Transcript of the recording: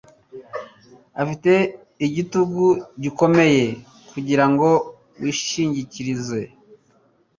Afite igitugu gikomeye kugirango wishingikirize.